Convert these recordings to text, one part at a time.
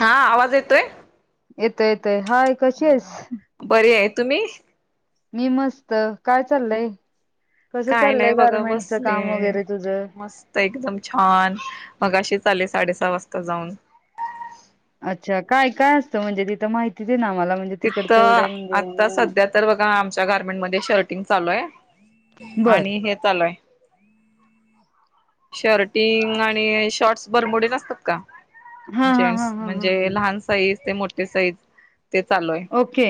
हा आवाज येतोय येत येतय हाय कशी आहेस बर आहे तुम्ही मी मस्त काय चाललय कसं काय चाललय नाही बघा गारमेंटच बसले. काम वगैरे तुझं मस्त एकदम छान मगशी चाले साडेसहा वाजता जाऊन अच्छा काय काय असतं म्हणजे तिथं माहिती दे ना आमला म्हणजे तिकडचं तिथं एवढं म्हणजे आता सध्या तर बघा आमच्या गार्मेंट मध्ये शर्टिंग चालू आहे बर आणि हे चालू आहे शर्टिंग आणि शॉर्ट्स भरमडी नसतात का हा हा हा जेंट्स हा हा म्हणजे हा लहान साज ते मोठे साईज ते चालू आहे ओके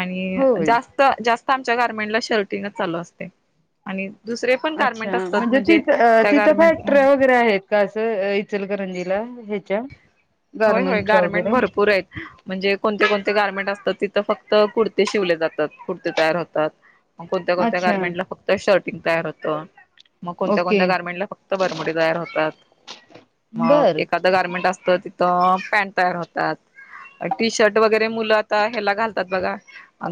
आणि होय जास्त जास्त आमच्या गार्मेंटला शर्टिनच चालू असते आणि दुसरे पण अच्छा गारमेंट असतात म्हणजे तिथ त्या तिथं गारमेंट फॅक्टर वगैरे आहेत का असं इचलकरंजीला ह्याच्या होय होय गारमेंटच्या गारमेंट वगैरे भरपूर आहेत म्हणजे कोणते कोणते गार्मेंट असतात तिथं फक्त कुडते शिवले जातात कुडते तयार होतात मग कोणत्या कोणत्या अच्छा गार्मेंटला फक्त शर्टिंग तयार होतं मग कोणत्या ओके कोण्या गारमेंटला फक्त बरमडी तयार होतात बर मग एखादं गार्मेंट असतं तिथं पॅन्ट तयार होतात टी शर्ट वगैरे मुलं आता ह्याला घालतात बघा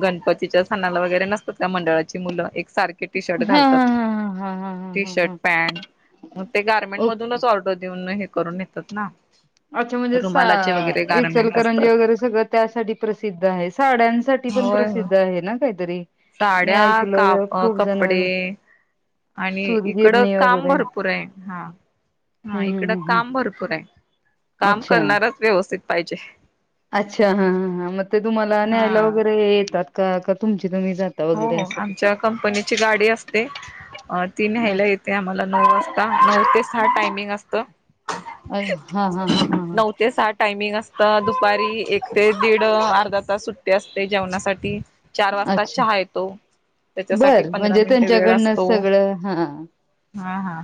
गणपतीच्या स्थाला वगैरे नसतात का मंडळाची मुलं एक सारखे टी शर्ट हा हा घालतात हा हा हा हा टी हा शर्ट हा. पॅन्ट मग ते गार्मेंट ओके मधूनच ऑर्डर देऊन करून येतात ना अच्छा म्हणजे सा रुमालाचे वगैरे गार्मेंट इचलकरंजी असतात. वगैरे सगळं त्यासाठी प्रसिद्ध आहे साड्यांसाठी ते पण होय होय प्रसिद्ध मी साड्या ऐकलं काप अ खूप कपडे. जण आणि इकड सूतगिरणी काम वगैरे भरपूर आहे हा हा हम्म हम्म इकड हम्म हम्म. काम भरपूर आहे काम अच्छा करणाराच व्यवस्थित पाहिजे. अच्छा हा ह ह मग ते तुम्हाला हा न्यायला वगैरे येतात का का तुमची तुम्ही जात. हो हो आमच्या कंपनीची गाडी असते. अ ती अ न्यायला येते आम्हाला नऊ वाजता नऊ ते सठ टायमिंग असत. अ हा हा हा हा हा. सहा टायमिंग असतं दुपारी एक ते दीड अर्धा तास सुट्टी असते जेवणासाठी चार वाजता. अच्छा चहा येतो त्याच्यासाठी बर पंधरा म्हणजे मिनिटे वेळ त्यांच्याकडनं असतो. सगळं हा हा हा.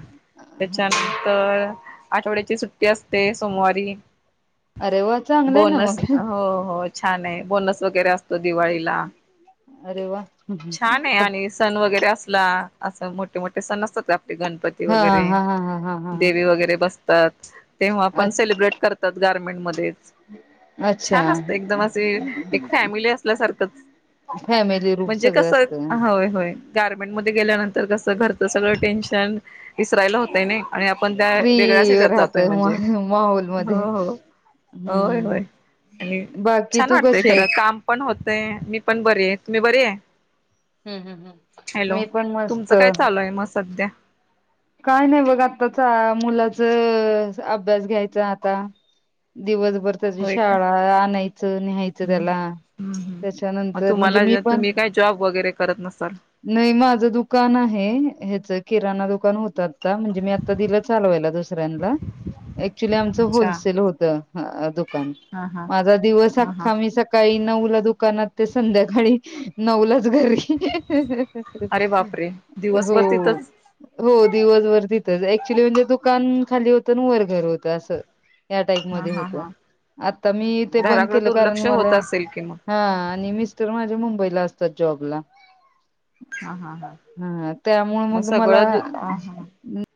त्याच्यानंतर आठवड्याची सुट्टी असते सोमवारी अरे वा चांगलंय ना बोनस मग हो हो छान आहे बोनस वगैरे असतो दिवाळीला अरे वा. छान आहे आणि सण वगैरे असला असं मोठे मोठे सण असतात आपले गणपती हा वगैरे हा हा हा हा हा हा देवी वगैरे बस. तेव्हा अ- पण सेलिब्रेट करतात गारमेंट मध्येच छान अच्छा असतय एकदम असे एक फॅमिली असल्यासारखंच. फॅमिली रूम म्हणजे सगळं कसं असतं. होय होय. गार्मेंट मध्ये गेल्यानंतर कसं घरचं सगळं टेन्शन विसरायला होतंय नाही. आणि आपण त्या वेगळ्याच फ्री हच्यात राहत जातोय म्हणजे माहोलमध्ये हो हो. होय हम्म होय आणि बाकी छान तू वाटतंय कशी खरं आहेस? काम पण होतय मी पण बरे आहे तुम्ही बर आहे. हम् हम् हम्. हॅलो मी पण मस्त. तुमचं काय चालू आहे मग सध्या काय नाही बघ आत्ताच मुलाचं अभ्यास घ्यायचा आता दिवसभर त्याची होय का शाळा आणायचं न्यायचं त्याला हम् हम् मग त्याच्यानंतर म्हणजे तुम्हाला मी पण तुम्ही काय जॉब वगैरे करत नसाल. नाही माझं दुकान आहे ह्याच किराणा दुकान होतात. म्हणजे मी आता दिलं चालवायला दुसऱ्यांला ऍक्च्युली आमचं अच्छा होलसेल होत दुकान हा हा माझा दिवस हा हा अख्खा मी सक. सकाळी नऊ ला दुकानात ते संध्याकाळी नऊ लाच घरी अरे बापरे दिवसभर हो. तिथंच हो दिवसभर तिथंच ऍक्च्युली म्हणजे दुकान खाली होतं आणि वर घर होतं असं. या टाईप हा मध्ये हा होत हा आता मी तेे बंद घराकडे केलं कारण दुर्लक्ष होत मला असेल कि मग हा आणि मिस्टर माझे मुंबईला असतात जॉबला. हा हा हा त्यामुळे मग मला सगळं दु हा हा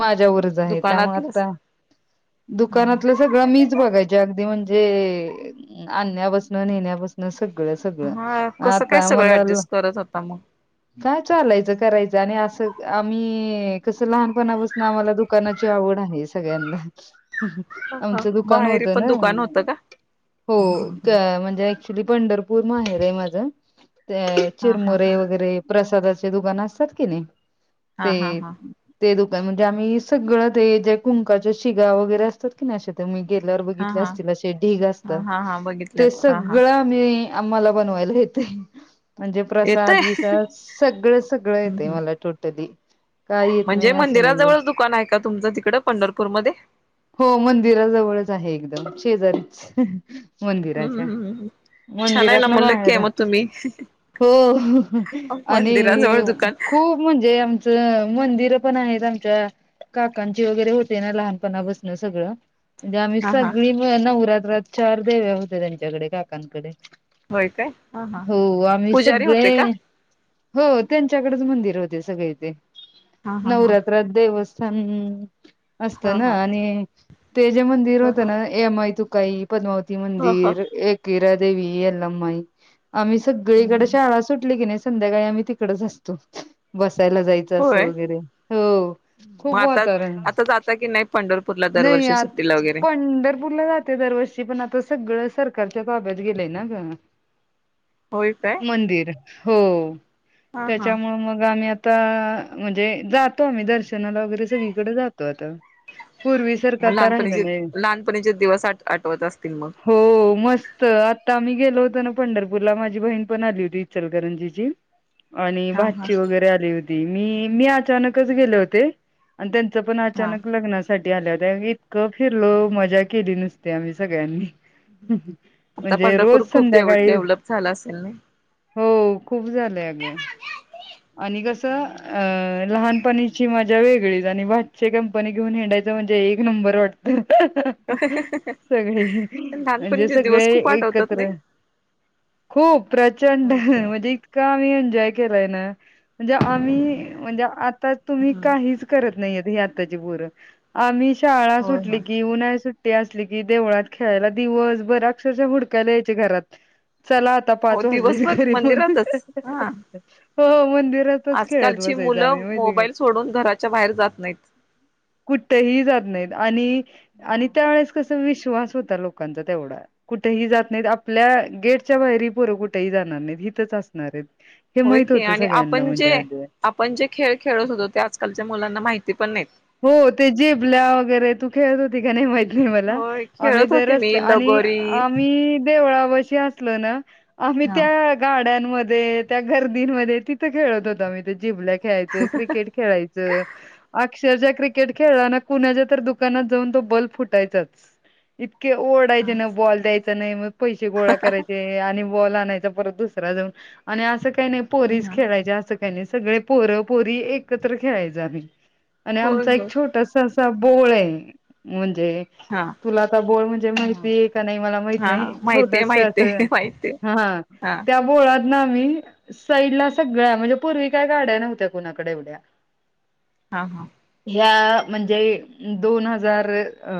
माझ्यावरच आहे त्यामुळे दुकानातलं आता हा हा दुकानातल सग सगळं मीच बघायचे अगदी म्हणजे आणण्यापासन नेण्यापासन न सगळं सगळं हा कसं काय आता सगळं मला ऍडजस्ट करत होता मग काय चालायचं करायचं आणि असं. आम्ही कस लहानपणापासून आम्हाला दुकानाची आवड आहे सगळ्यांना हा हा आमचं दुकान बाहेर होतं पण ना. दुकान होतं का हो हा म्हणजे ऍक्च्युली पंढर पूर माहेर आहे माझ हा चिरमुरे हा वगैरे प्रसादाचे दुकान असतात कि नाही. ते हा हा हा हा ते दुकान म्हणजे आम्ही सगळं ते जे कुंकाच्या शिगा वगैरे असतात. असतात की नाही अश्या त्या मी गेल्यावर बघितले हा असतील ढिग हा असतात हा हा ते बघितल्यात हा हा सगळं. ते आम्हाला बनवायला येतंय. म्हणजे प्रसाद येतय बिसाद सगळं सगळं येतेय मला टोटली. काही येत म्हणजे नाही असं नाहीये. मंदिराजवळच दुकान आहे का तुमचं तिकड पंढरपूर मध्ये हो मंदिराजवळच आहे एकदम शेजारीच हम्म मंदिराच्या. हम्म छान आहे मंदिरात ना म लकी बाहेर आहे मग तुम्ही? हो आणि मंदिराजवळ दुकान खूप म्हणजे आम मंदिर पण आहेत आमच्या काकांची वगैरे होते ना लहानपणापासन सगळं. म्हणजे आम्ही हा हा सगळी नवरात्रात चार देव्या होत्या त्यांच्याकडे काकांकडे होय काय हा हा हो आम्ही पुजारी होते सगळे. का हो त्यांच्याकडेच मंदिर होते सगळे ते हा हा हा नवरात्रात देवस्थान ह. असत हा ना हा आणि ते जे मंदिर ह होतं ह ना ए माय तुकाई पद्मावती ह ह मंदिर एकवीरा देवी यल्लमाई आम्ही सगळीकडे शाळा सुटली की नाही संध्याकाळी आम्ही तिकडच असतो बसायला जाय. असं होय वगैरे हो खूप मग आता वातावरण आता जाता की नाही पंढरपूरला नाही दरवर्षी आत सुट्टीला वगैरे पंढरपूरलं जात. ते दरवर्षी पण आता सगळं सरकारच्या ताब्यात गेलंय ना ग. होय काय मंदिर हो हा हा त्याच्यामूळ मग आम्ही आता म्हणजे जातो आम्ही दर्शनाला वगैरे सगळीकडे जातो आता पूर् मग लहानपणीचे लहानपणीचे दिवस आ आठवत असतील मग हो. मस्त आता आम्ही गेलो होतो ना पंढरपूरला माझी बहीण पण आली होती इचलकरंजीची आणि हा हा. भाची वगैरे आली होती मी मी अचानकच गेले होते. आणि त्यांचं पण हा अचानक लग्न अस. साठी आल्या हो त्या इतकं फिरलो मजा केली नुसते आम्ही सगळ्यांनी आता म्हणजे रोज पंढरपूर खूप डेव्ह संध्याकाळी डेव्हलप झालं असेल नाही. हो खूप झालंय अगं आणि कस. लहानपणीची मजा वेगळीच आणि भाचे कंपनी घेऊन हिंडायच म्हणजे एक नंबर वाटत. सगळे पण म्हणजे लहानपणीचे सगळे दिवस खूप आठवतात एकत्र. नाही. खूप प्रचंड होय की म्हणजे का आम्ही एन्जॉय केलाय ना म्हणजे आम्ही म्हणजे आता तुम्ही हम्म काही त नाही ही आताची पोरं आम्ही शाळा होय सुटली होय. की उन्हाळ्याच्या सु असली की देवळात खेळायला दिवस बर अक्षरश हुडकायला यायचे घरात चला. आता हो पाच वाजले दिवसभर घरी म मंदिरातच हा. हो मंदिरातच खेळत आजकालची बस. मुलं मोबाईल सोडून घराच्या बाहेर जात नाहीत. कुठही जात नाहीत आणि आणि हो. त्यावेेळेस कस विश्वास होता लोकांचा तेवढा. कुठेही जात नाहीत आपल्या गेटच्या बाहेरी पुरं कुठेही जाणार नाहीत हथच असणार आहेत. हे माहित होतं सगळ्यांना म्हणजे आज. पण जे खेळ खेळत होतो ते आजकालच्या मुलांना माहिती पण नाहीत. हो ते जेबल्या वगैरे तू खेळत होती का नाही माहित नाही मला होय आम्ही खेळत होते मी तररस्ते आणि लगोरी आम्ही देवळा पाशी असलो ना आम्ही हा त्या गाड्यांमध्ये त्या गर्दींमध्ये तिथं खेळत होत मी ते जिबल्या खेळायचं क्रिकेट खेळायचं. [unintelligible] अक्षरच्याः क्रिकेट खेळलाना कुणाच्या तर दुकानात जाऊन तो बल्ब फुटायचाच. इतके ओरडायचे हा. ना बॉल द्यायचा नाही मग पैसे गोळा करायचे. आणि बॉल आणायचा परत दुसरा जाऊन आणि असं काही नाही पोरीस खेळायच अस. सगळे पोरं पोरी एकत्र खेळायच आम्ही आणि होय आमचा एक होय छोटसा असा बोळ आहे म्हणजे हा. तुला आता बोोल म्हणजे हा. माहती् आहे का नाही मला माहत हा नाही छोट माहितीय माहितीय असं माहितीय हा. हा. त्या बोळात न आम्ही साईडला सगळ्या म्हणजे पूर्वी काय गाड्या नव्हत्या कुणाकडे एवढ्या हा हा ह्या म्हणजे दोन हजार अ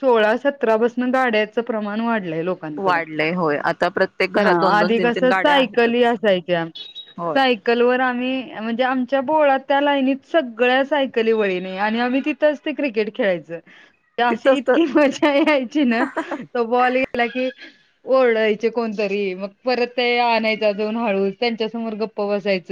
सोळा सतरा पाासून गाड्याचं प्रमाण वाढलंय लोक लोकांकड वाढलंय होय आता प्रत्येक हा घरात दोन दोन आधी तीन कस सायकल ह असायच्या हो सायकल वर आम्ही म्हणजे आमच्या बोळ त्या लाईनीत सगळ्या सायकली वळीने आणि आम्ही तिथंच ते क्रिकेट खेळायचं अशी तिथंच तर इतकी मज्जा यायची ना तो बॉल गेला की ओरडायचे कोणतरी मग परत ते आणायचा जाऊन हळू त्यांच्यासमोर गप् बसायच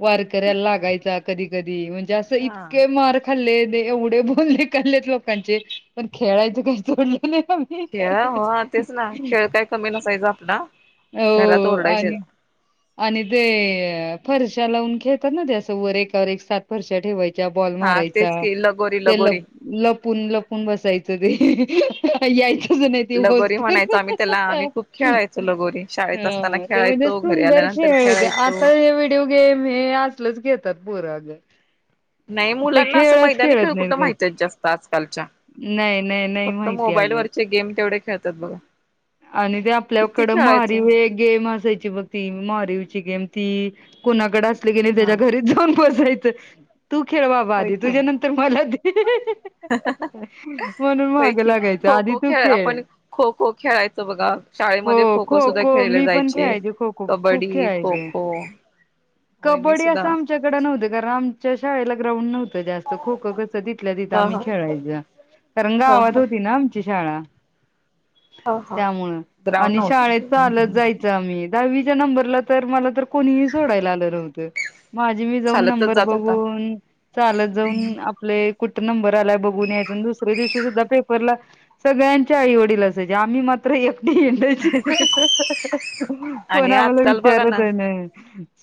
वारकऱ्याला लागायचा कधी कधी म्हणजे असं हा इतके मार खल्ले एवढे बोलले खल्लेत लोकांचे पण खेळायच काही सोडलं नाही आम्ही खेळ हो तेच ना खेळ काय कमी नसायचा आपला हो घरात ओरडायचे आणि आणि ते फरशा लावून खेळतात ना ते असं वर एकावर एक सात फरश ठेवायच्या बॉल हा मारायचा तेच की लगोरी ते लगोरी लपून लपून बसायच ते यायचच नाही ते लगोरी म्हणायचो आम्ही त्याला आम्ही खूप [inaudible] खेळायचो लगोरी शाळेत असताना हा ते म्हणजे खेळायचो घरी सुंदर आल्यानंतर खेळ होते खेळायचो आता जे व गेम हे असलच घेतात बोरग नाही मुलांना असं मैदानी खेळ खेळत नाहीत कुठं ग माहित आहेत जास्त आजकालच्या नाही नाही नाही फक्त माहिती मोबाईल अग वरचे गेम तेवढे खेळतात बघा आणि ते किती आपल्याकडं मारी खेळायचो वे गेम असायची बघ ती मारवची गेम ती कुणाकडे असले गे नाही त्याच्या हा घरीच जाऊन पसायचं तू खेळ बाबा होय आधी की तुझ्या नंतर मला दे म्हणून होय माग की लागायचं खो आधी खो तू खेळ आपण खो खो खेळायचं बघा हो शाळेमध्ये खो खो सुद्धा खो-खो खेळले मी पण जायचे खेळायचे खो-खो खूप कबड्डी खो खेळायचे. खो होय मी कबड्डी सुद्धा असं आमच्याकडे नव्हते कारण आमच्या शाळेला ग्राउंड नव्हत जास्त खो खो कस तिथल्या तिथं हा आम्ही हा खेळायच कारण हा गावात हा होती ना हा हा त्यामुळं ग्राउंड आणि शाळेत चालत नव्हत जायच आम्ही दहावीच्या नंबरला तर मला तर कोणीही सोडायला आलं नव्हतं माझी मी जाऊन चालतच नंबर जात होता बघून चालत जाऊन आपले कुठ नंबर आलाय बघून यायचा दुसऱ्या दिवशी सुद्धा पेपरला सगळ्यांच्या आई वडील असायचे आम्ही मात्र एकटी असायची आणि कोणामला आजकाल बघा विचारत आहे ना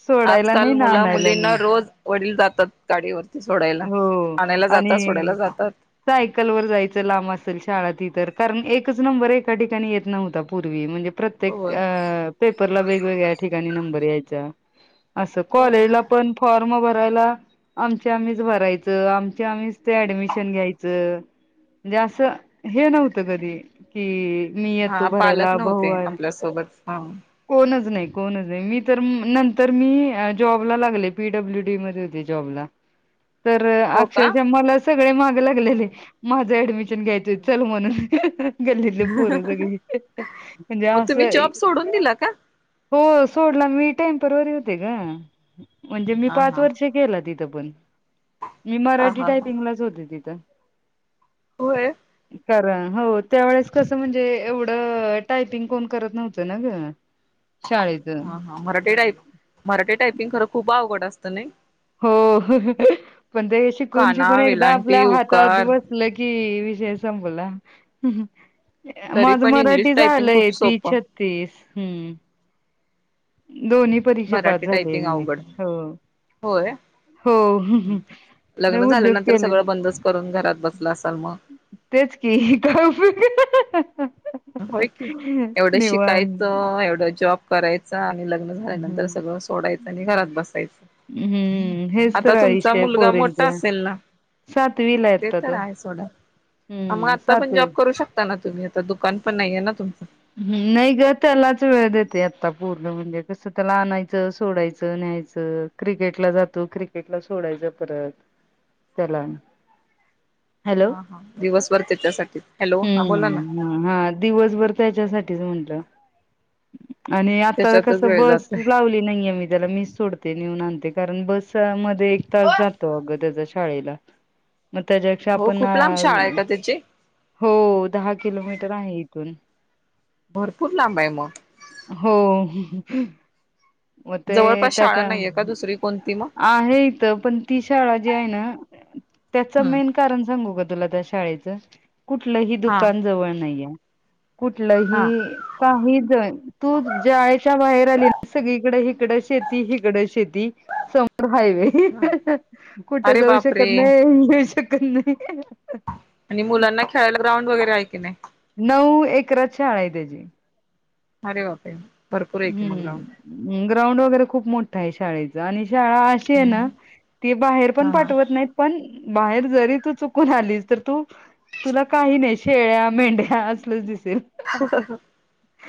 सोडायला आजकाल नाही ना मुला आणयला मुलींना नाही रोज वडील जातात गाडीवरती सोडायला आणायला जातात सोडायला जातात सायकल वर जायचं लांब असेल शाळ तर कारण एकच नंबर एका ठिकाणी येत नव्हता पूर्वी म्हणजे प्रत्येक होय. अ पेपरला वेगग्या ठिकाणी नंबर अस कॉलेजला पण फॉर्म भरायला आमच्या आम्हीच भरायचं आमच्या आम्हीच ते ऍडमिशन घ्यायचं म्हणजे असं हे नव्हतं कधी की मी येतो हा पालक भरायला भाऊ नव्हते आला आपल्यासोबत ह कोणच नाही कोणच नाही मी तर नंतर मी जॉब लागले पीडब्ल्यू डी मध्ये होते जॉबला ह तर हो का अक्षरशः मला सगळे माग लागलेले माझं ऍडमिशन घ्यायचंय चल म्हणून गल्लीले पोर सगळी म्हणजे मग तुम्ही असं जॉब सोडून दिला का हो सोडला मी टेम्परवरी होते का म्हणजे मी हा पाच हा वर्ष केला तिथं पण मी हा मराठी हा हा टायपिंगलाच होते तिथं होय. कारण हो त्यावेेळेस कसं म्हणजे एवढ. टायपिंग कोण करत नव्हतं ना ग हा हा मराठी टायप मराठी टायपिंग खर खूप अवघड असतं ना. हो पण ते शिकून काना शिकून एकदा आपल्या वेलांटी हातातत उकार बाळ. [unintelligible] तरी माझ पण इंग्लिश मराठी टायपिंग झालंय खूप तीस सोपं छत्तीस हम्म. दोन्ही परीक्षा पास मराठी झाली टायपिंग म अवघड हो होय. हो नाही लग्न उद्योग झाल्यानंतर केले सगळं बंदच करून घरात बसलं असाल मग. तेच की काप. होय की एवढं शिकायचं एवढं जॉब. करायचं आणि लग्न झाल्यानंतर हम्म सगळं सोडायचं आणि घरात बसायचं. हम् हम् ही आता तर तुमचा विषय आहे मुलगा मोठा पोरांचा असेल ना सातवीला ते यतत तर आहे सोडा मग आता पण जॉब करू शकता ना तुम्ही आता दुकान पण नाहीय ना तुमचं ह् नाही ग त्यालाच वेळ देते आता पूर्ण म्हणजे कसं त्याला आणायचं सोडायचं न्यायचं. क्रिकेटला जातो क्रिकेटला सोडायचं परत त्याला हॅलो हा ह दिवसभरते त्यासाठी हॅलो हा बोला ना. हम्म हा दिवसभर त्याच्यासाठीच म्हणलं. आणि आता कस त्याच्यातच वेळ बस जातोय लावली नाही आ मी त्याला मीस सोडते. नेऊन आणते कारण बस मध्ये एक तास जातो अगं त्याच्या शाळेला. मग त्याच्यापेक्षा... हो आपण खूप लांब शाळा आहे का त्याची हो दहा किलोमीटर आहे इथून भरपूर लांब आहे मग. हो मग ते जवळपास शाळा त्याच्या नाहीये का दुसरी कोणती मग आहे इथ पण ती शाळा जी आहे ना त्याचा हम्म मेन. कारण सांगू का तुला त्या शाळेचं, कुठलंही हा दुकान जवळ नाहीये. हा कुठलही काही जण तू ज्याळेच्या बाहेर आली. ना सगळीकडे हकडं शेती, तिकडं शेती समोर हायवे. ह कुठ अरे जाऊ बापरे शकत नाही, येऊ शकत नाही. आणि मुलांना खेळायला ग्राउंड वगैरे आहे की नाही? नऊ एकरात शाळा आहे त्याची. अरे बाप रे! हम् ग्राउंड वगैरे खूप मोठ आहे शाळेच आणि शाळा.... ते आहे ना ते बाहेर पण हा हा पाठवत नाही पण बाहेर जरी तू चुकून आली तर तू... तुला काही नाही शेळ्या, मेंढ्या असलच दिसेल. हा हा.